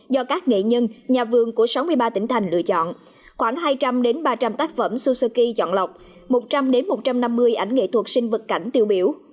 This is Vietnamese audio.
do các nghệ nhân nhà vườn của sáu mươi ba tỉnh thành lựa chọn khoảng hai trăm linh ba trăm linh tác phẩm suzuki chọn lọc một trăm linh một trăm năm mươi ảnh nghệ thuật sinh vật cảnh tiêu biểu